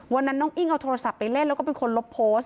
วันนั้นน้องอิ้งเอาโทรศัพท์ไปเล่นแล้วก็เป็นคนลบโพสต์